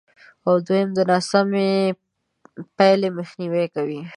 او دوېم د ناسمې پایلې مخنیوی کوي،